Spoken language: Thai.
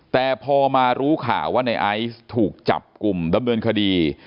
แต่พอมารู้ข่าวว่าในไอซ์ถูกจับกลุ่มดำเนินคดี